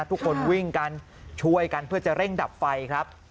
ทุกคนวิ่งกันช่วยกันเพื่อจะเร่งดับไฟครับ